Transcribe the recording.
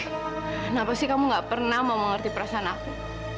kenapa sih kamu gak pernah mau mengerti perasaan aku